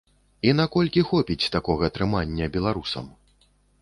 І наколькі хопіць такога трымання беларусам?